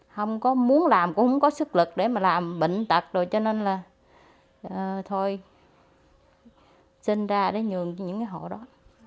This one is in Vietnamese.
không có muốn làm cũng không có sức lực để mà làm bệnh tật rồi cho nên là thôi sinh ra để nhường cho những hộ đó